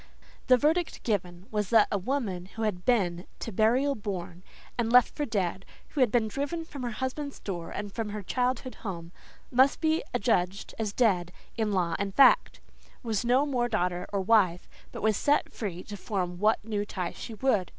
The verdict given was that a woman who had been "to burial borne" and left for dead, who had been driven from her husband's door and from her childhood home, "must be adjudged as dead in law and fact," was no more daughter or wife, but was set free to form what new ties she would.